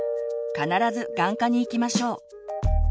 必ず眼科に行きましょう。